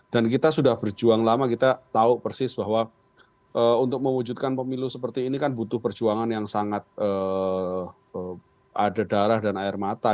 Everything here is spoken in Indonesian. dan kita sudah berjuang lama kita tahu persis bahwa untuk mewujudkan pemilu seperti ini kan butuh perjuangan yang sangat ada darah dan air mata